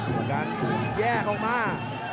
ก็การแยกออกมา